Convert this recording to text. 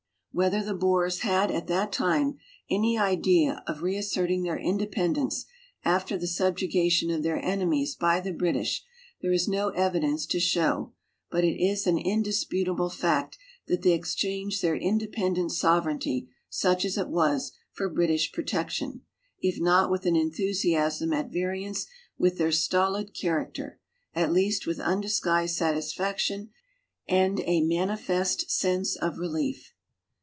Whether the Boers had at that time any idea of reasserting tlieir independence after the subjugation of their enemies bv the British there is no evidence to show, but it is an indisputal)le fact that they exchanged their independent sovereignly, such as it was, for British })rotection, if not with an enthusiasm at variance with their stolid character, at least with undi.sguised satisfaction and a manifest sense of relief.